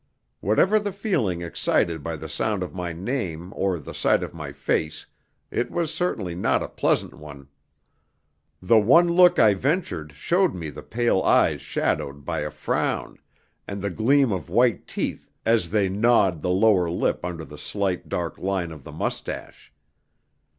Whatever the feeling excited by the sound of my name or the sight of my face, it was certainly not a pleasant one. The one look I ventured showed me the pale eyes shadowed by a frown, and the gleam of white teeth as they gnawed the lower lip under the slight dark line of the moustache.